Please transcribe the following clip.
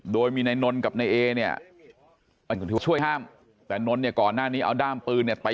โดยมีนายนนกับนายเอเนี่ยช่วยห้ามแต่นนทเนี่ยก่อนหน้านี้เอาด้ามปืนเนี่ยไป